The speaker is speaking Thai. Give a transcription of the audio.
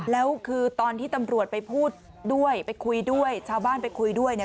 แล้วคือตอนที่ตำรวจไปพูดด้วยไปคุยด้วยชาวบ้านไปคุยด้วยเนี่ย